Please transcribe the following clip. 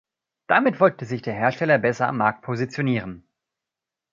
Damit wollte sich der Hersteller besser am Markt positionieren.